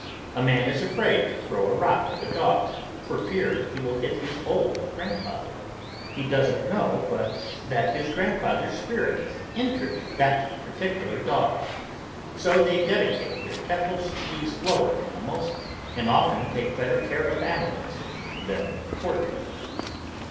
A man is afraid to throw a rock at a dog for fear he will hit his old grandfather he doesn't know but that his grandfather's spirit entered that particular dog. So they dedicate their temples to these lower animals and often take better care of animals than poor people.